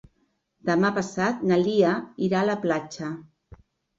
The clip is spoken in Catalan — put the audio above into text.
Demà passat na Lia irà a la platja.